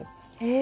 え。